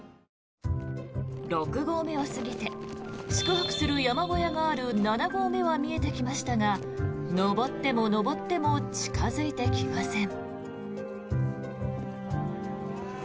６合目を過ぎて宿泊する山小屋がある７号目は見えてきましたが登っても登っても近付いてきません。